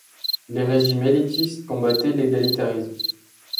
Les régimes élitistes combattaient l'égalitarisme.